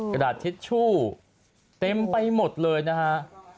กระดาษทิชชู่เต็มไปหมดเลยนะฮะ